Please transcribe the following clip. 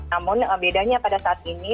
namun bedanya pada saat ini